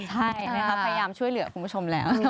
ใช่นะครับพยายามช่วยเหลือคุณผู้ชมแล้ว